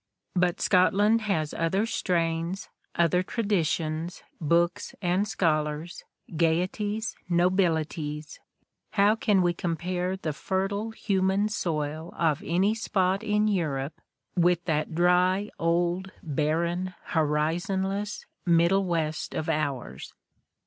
But Scotland has other strains, other tradi tions, books and scholars, gaieties, nobilities — how can we compare the fertile human soil of any spot in Europe with that dry, old, barren, horizonless Middle West of ours?